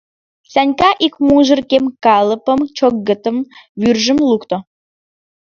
Санька ик мужыр кем калыпым, чӧгытым, вӱржым лукто.